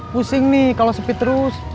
pusing nih kalau sepi terus